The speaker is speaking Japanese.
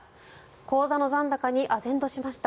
口座の残高にあぜんとしました。